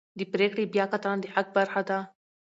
د پرېکړې بیاکتنه د حق برخه ده.